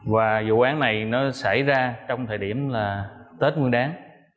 và vụ án này nó xảy ra trong thời điểm là tết nguyên đáng